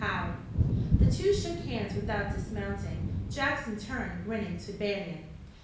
How!" The two shook hands without dismounting. Jackson turned grinning to Banion.